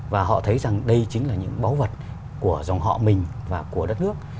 và họ thấy rằng đây chính là những báu vật của dòng họ mình và của đất nước